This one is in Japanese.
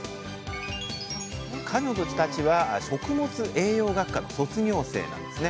彼女たちは食物栄養学科の卒業生なんですね。